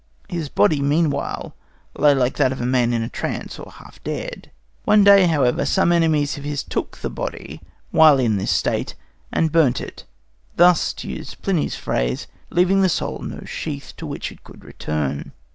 His body meanwhile lay like that of a man in a trance or half dead. One day, however, some enemies of his took the body while in this state and burnt it, thus, to use Pliny's phrase, leaving the soul no sheath to which it could return.